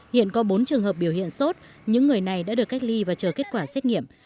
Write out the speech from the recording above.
hiện có bốn trường hợp biểu hiện sốt những người này đã được cách ly và chờ kết quả xét nghiệm